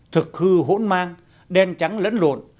thực hư hỗn mang đen trắng lẫn lộn